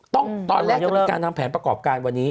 ตอนแรกจะมีการทำแผนประกอบการวันนี้